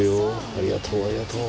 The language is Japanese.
ありがとうありがとう。